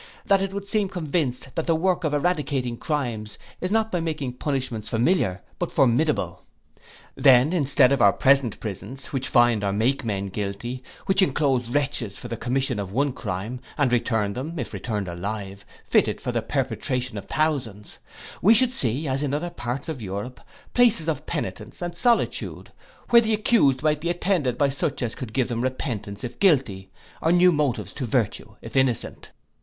That it would seem convinced that the work of eradicating crimes is not by making punishments familiar, but formidable. Then instead of our present prisons, which find or make men guilty, which enclose wretches for the commission of one crime, and return them, if returned alive, fitted for the perpetration of thousands; we should see, as in other parts of Europe, places of penitence and solitude, where the accused might be attended by such as could give them repentance if guilty, or new motives to virtue if innocent.